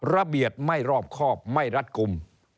ระเบียดไม่รอบค่อไม่รัฐกรุม